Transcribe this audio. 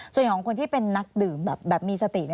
ส่วนของคนที่เป็นนักดื่มแบบมีสติ